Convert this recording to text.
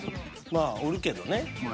まあおるけどね。